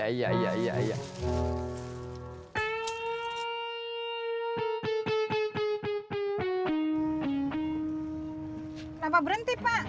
kenapa berhenti pak